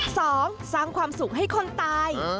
สองสร้างความสุขให้คนตาย